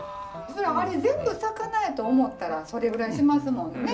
あれ全部魚やと思たらそれぐらいしますもんね。